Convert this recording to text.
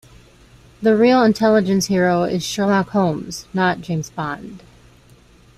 The real intelligence hero is Sherlock Holmes, not James Bond.